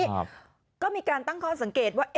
ครับก็มีการตั้งความสังเกตว่าเอ๊ะอ่า